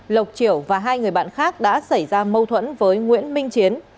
lộc triểu và hai người bạn khác đã xảy ra mâu thuẫn với nguyễn minh chiến